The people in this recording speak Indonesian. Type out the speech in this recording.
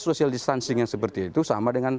social distancing yang seperti itu sama dengan